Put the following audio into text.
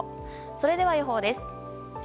それでは予報です。